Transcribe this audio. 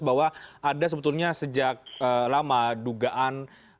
bahwa ada sebetulnya sejak lama dugaan